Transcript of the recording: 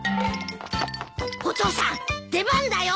お父さん出番だよ。